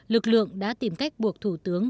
lực lượng đã tìm cách buộc thủ tướng